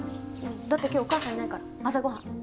だって今日お母さんいないから朝ごはん。